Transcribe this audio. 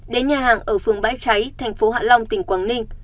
đến nhà hàng ở phường bãi cháy thành phố hạ long tỉnh quảng ninh